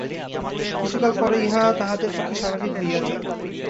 কিছুকাল পরে ইহা তাহাদের পক্ষে স্বাভাবিক হইয়া যায়।